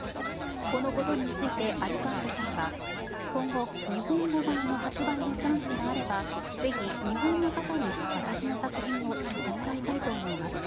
このことについてアルカンテさんは今後、日本語版の発売のチャンスがあればぜひ日本の方に私の作品を知ってもらいたいと思います